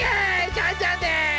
ジャンジャンです！